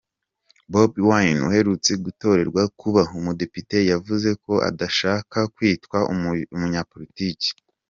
Bob Wine uherutse gutorerwa kuba umudepite yavuze ko adashaka kwitwa umunyapolitiki.